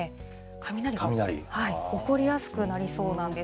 雷、起こりやすくなりそうなんです。